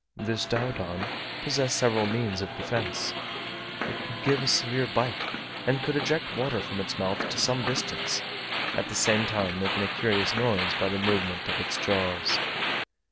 This Diodon possessed several means of defence. It could give a severe bite, and could eject water from its mouth to some distance, at the same time making a curious noise by the movement of its jaws.